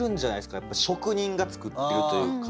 やっぱ職人が作ってるというか。